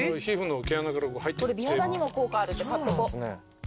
これ美肌にも効果あるって買っとこう。